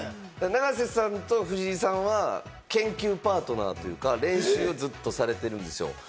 永瀬さんと藤井さんは研究パートナーというか練習をずっとされてるんですよ。